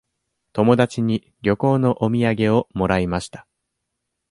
友達に旅行のお土産をもらいました。